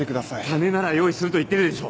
金なら用意すると言ってるでしょ。